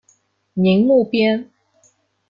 宁木边。